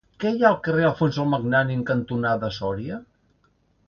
Què hi ha al carrer Alfons el Magnànim cantonada Sòria?